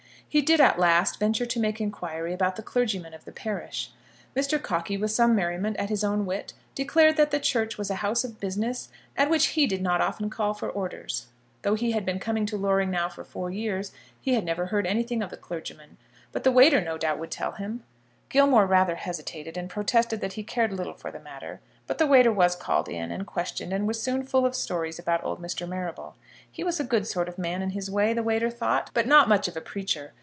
He did at last venture to make inquiry about the clergyman of the parish. Mr. Cockey, with some merriment at his own wit, declared that the church was a house of business at which he did not often call for orders. Though he had been coming to Loring now for four years, he had never heard anything of the clergyman; but the waiter no doubt would tell them. Gilmore rather hesitated, and protested that he cared little for the matter; but the waiter was called in and questioned, and was soon full of stories about old Mr. Marrable. He was a good sort of man in his way, the waiter thought, but not much of a preacher.